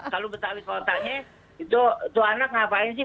kalau betawi kotanya itu anak ngapain sih